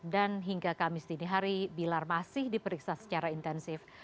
dan hingga kamis dini hari bilar masih diperiksa secara intensif